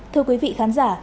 thưa quý vị khán giả